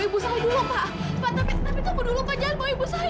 pak tapi tunggu dulu pak jangan bohong ibu saya